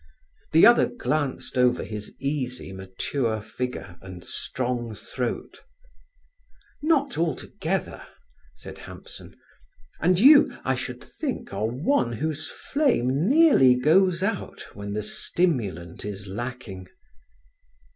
The other glanced over his easy, mature figure and strong throat. "Not altogether," said Hampson. "And you, I should think, are one whose flame goes nearly out, when the stimulant is lacking."